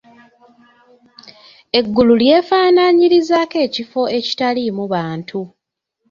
Eggulu lyefaanaanyirizaako ekifo ekitaliimu bantu.